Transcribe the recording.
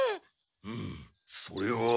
うむそれは。